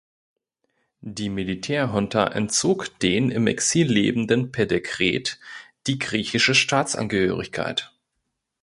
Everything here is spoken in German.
Die Militärjunta entzog den im Exil lebenden per Dekret die griechische Staatsangehörigkeit.